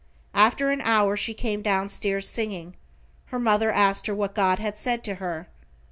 After an hour she came down stairs singing; her mother asked her what God had said to her.